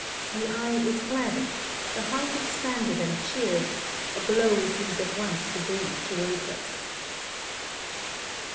The eye is gladdened, the heart expanded and cheered, a glow seems at once to breathe towards us.